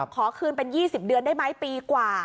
ขอคืนเป็น๒๐เดือนได้ไหมปีกว่า